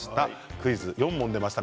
クイズ４問出ました。